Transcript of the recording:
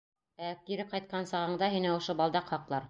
Ә кире ҡайтҡан сағыңда һине ошо балдаҡ һаҡлар.